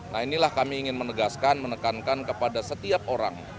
nah inilah kami ingin menegaskan menekankan kepada setiap orang